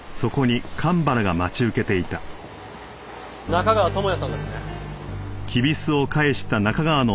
中川智哉さんですね。